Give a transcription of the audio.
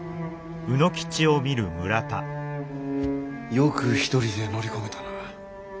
よく一人で乗り込めたな。